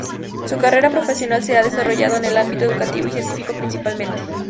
Su carrera profesional se ha desarrollado en el ámbito educativo y el científico principalmente.